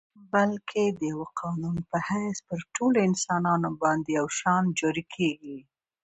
بلکه د یوه قانون په حیث پر ټولو انسانانو باندي یو شان جاري کیږي.